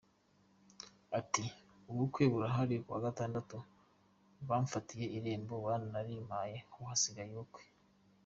Ati “Ubukwe burahari, kuwa Gatandatu bamfatiye irembo baranarimpaye ubu hasigaye ubukwe.